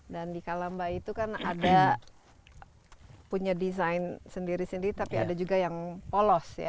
dan di kalambah itu kan ada punya desain sendiri sendiri tapi ada juga yang polos ya